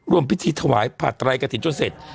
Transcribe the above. ร่วมพิธีถวายผ่าไตรกระถิ่นจนเสร็จ